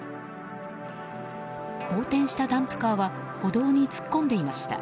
横転したダンプカーは歩道に突っ込んでいました。